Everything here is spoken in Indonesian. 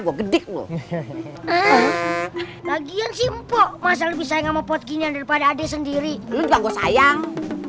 bedik lu lagian simpo masalah bisa ngomong pot ginian daripada adik sendiri lu bagus sayang